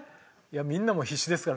みんなも必死ですからね。